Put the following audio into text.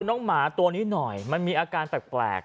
น้องหมาตัวนี้หน่อยมันมีอาการแปลก